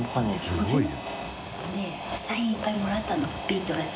すごいね！